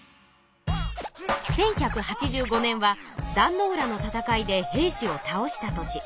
１１８５年は壇ノ浦の戦いで平氏を倒した年。